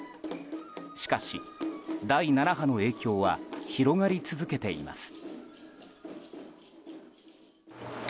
しかし、第７波の影響は広がり続けています。